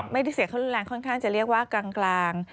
ไม่ได้เสียเขารุนแรงค่อนข้างจะเรียกว่ากลาง